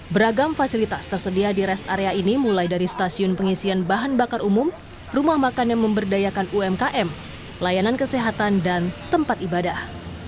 beragam fasilitas tersedia di rest area ini mulai dari stasiun pengisian bahan bakar umum rumah makan yang memberdayakan umkm layanan kesehatan dan tempat ibadah